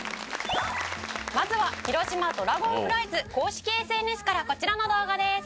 「まずは広島ドラゴンフライズ公式ＳＮＳからこちらの動画です」